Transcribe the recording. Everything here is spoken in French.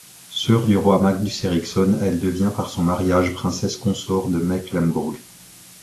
Sœur du roi Magnus Eriksson, elle devient par son mariage princesse consort de Mecklembourg.